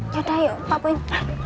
yaudah ayo pak poin